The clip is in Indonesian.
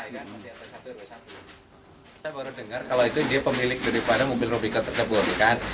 saya baru dengar kalau itu dia pemilik dari mobil robika tersebut bukan